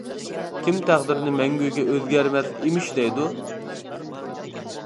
كىم تەقدىرنى مەڭگۈگە ئۆزگەرمەس ئىمىش دەيدۇ؟ !